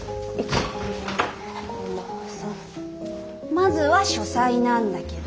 まずは書斎なんだけど。